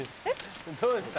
どうした。